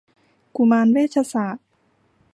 กุมารเวชศาสตร์